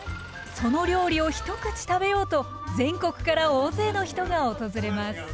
その料理を一口食べようと全国から大勢の人が訪れます。